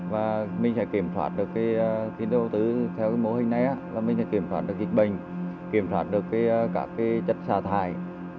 và mình sẽ kiểm soát được tiến đầu tư theo mô hình này mình sẽ kiểm soát được dịch bệnh kiểm soát được các chất xa thải